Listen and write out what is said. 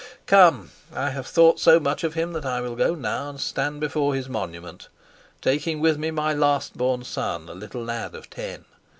Come, I have thought so much of him that I will go now and stand before his monument, taking with me my last born son, a little lad of ten.